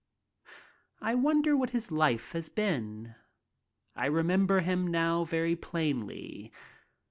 I wonder what his life has been. I remember him now very plainly.